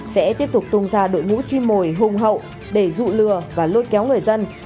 sẽ tiếp tục tung ra đội ngũ chim mồi hùng hậu để dụ lừa và lôi kéo người dân